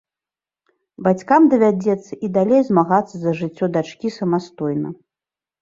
Бацькам давядзецца і далей змагацца за жыццё дачкі самастойна.